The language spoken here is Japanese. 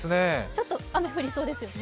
ちょっと雨降りそうですよね。